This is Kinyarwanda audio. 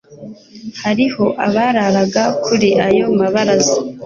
Hariho abararaga kuri ayo mabaraza,